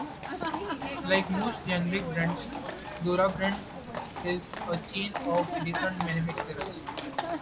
Like most generic brands, Durabrand is a chain of different manufacturers.